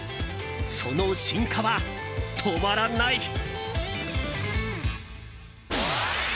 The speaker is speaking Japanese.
その進化は止まらない。